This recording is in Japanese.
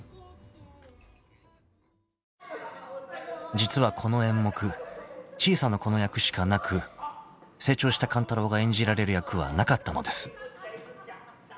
［実はこの演目小さな子の役しかなく成長した勘太郎が演じられる役はなかったのです］